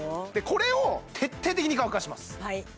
これを徹底的に乾かします